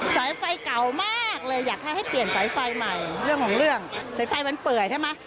สายไฟเก่ามากเลยอยากให้เปลี่ยนสายไฟใหม่เรื่องของเรื่องสายไฟมันเปื่อยใช่ไหม